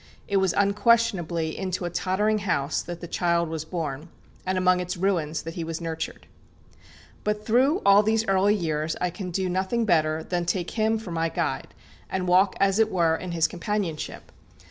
It was unquestionably into a tottering house that the child was born, and among its ruins that he was nurtured. But through all these early years I can do nothing better than take him for my guide, and walk as it were in his companionship.